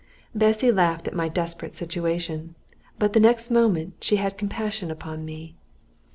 Bessy laughed at my desperate situation, but the next moment she had compassion upon me.